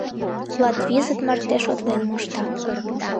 Латвизыт марте шотлен мошта.